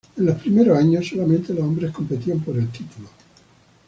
En los primeros años, solamente los hombres competían por el título.